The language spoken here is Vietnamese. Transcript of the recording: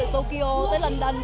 từ tokyo tới london